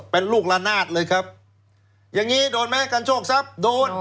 เป็นลูกละนาดเลยครับอย่างนี้โดนไหมการโชคทรัพย์โดน